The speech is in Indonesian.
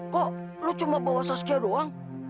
kok lo cuma bawa saskia doang